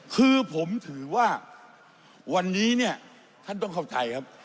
คือผมถือว่าวันนี้เนี่ยท่านต้องเข้าใจครับ